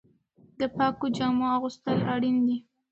د پاکو جامو اغوستل اړین دي.